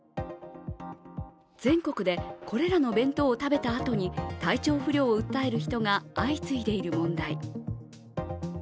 全国でこれらの弁当を食べたあとに体調不良を訴える人が相次いでいる問題。